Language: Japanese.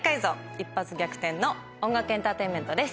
一発逆転の音楽エンターテインメントです。